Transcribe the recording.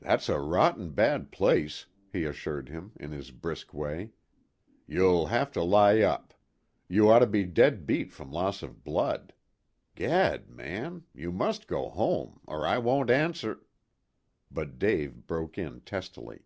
"That's a rotten bad place," he assured him, in his brisk way. "You'll have to lie up. You ought to be dead beat from loss of blood. Gad, man, you must go home, or I won't answer " But Dave broke in testily.